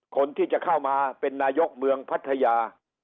คนที่จะเข้ามาเป็นนายกเมืองพัทยา